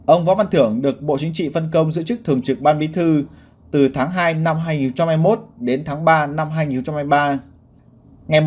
ông võ văn thưởng được bộ chính trị phân công giữ chức thường trực ban bí thư từ tháng hai năm hai nghìn hai mươi một đến tháng ba năm hai nghìn hai mươi ba